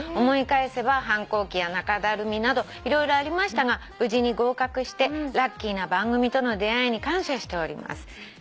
「思い返せば反抗期や中だるみなど色々ありましたが無事に合格してラッキーな番組との出合いに感謝しております」